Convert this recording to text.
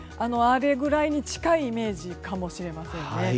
あれぐらいに近いイメージかもしれません。